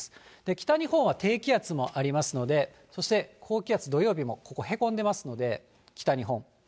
北日本は低気圧もありますので、そして高気圧、土曜日もここ、へこんでますので、北日本。